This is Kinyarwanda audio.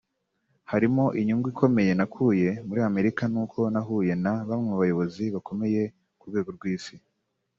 harimo Inyungu ikomeye nakuye muri Amerika ni uko nahuye na bamwe mu bayobozi bakomeye ku rwego rw’Isi